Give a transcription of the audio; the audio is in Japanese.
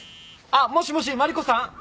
あっもしもしマリコさん？